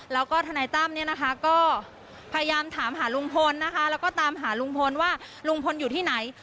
แล้วก็ทนายตั้มเนี่ยนะคะก็พยายามถามหาลุงพลนะคะแล้วก็ตามหาลุงพลว่าลุงพลอยู่ที่ไหน